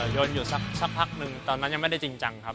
ยนต์อยู่สักพักหนึ่งตอนนั้นยังไม่ได้จริงจังครับ